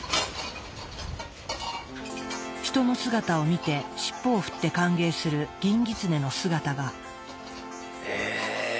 人の姿を見て尻尾を振って歓迎するギンギツネの姿が。へ！